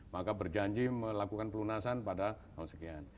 maka berjanji melakukan pelunasan pada hal sekian